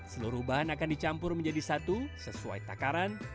seluruh bahan akan dicampur menjadi satu sesuai takaran